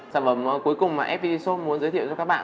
sản phẩm cuối cùng mà fpg soap muốn giới thiệu cho các bạn